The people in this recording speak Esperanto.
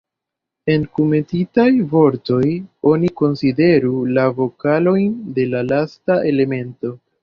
En kunmetitaj vortoj, oni konsideru la vokalojn de la lasta elemento.